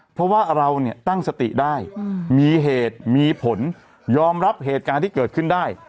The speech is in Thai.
เพราะว่าเราเนี่ยตั้งสติได้มีเหตุมีผลยอมรับเหตุการณ์ที่เกิดขึ้นได้